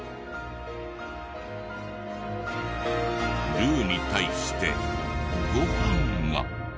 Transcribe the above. ルーに対してご飯が。